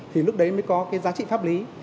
thì lúc đấy mới có cái giá trị pháp lý